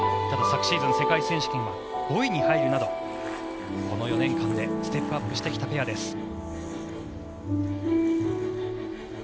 ただ、昨シーズン世界選手権は５位に入るなどこの４年間でステップアップしてきたペアです。